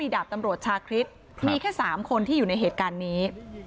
ดาบตำรวจชาคริสมีแค่๓คนที่อยู่ในเหตุการณ์นี้